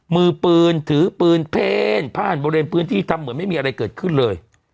มือปืนถือปืนเพ่นพ่านบริเวณพื้นที่ทำเหมือนไม่มีอะไรเกิดขึ้นเลย